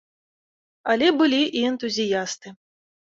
Але былі і энтузіясты.